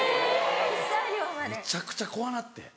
めちゃくちゃ怖なって。